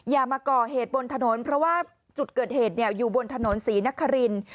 อย่ามาก่อเหตุบนถนนเพราะว่าจุดเกิดเหตุอยู่บนถนนศรีนคริน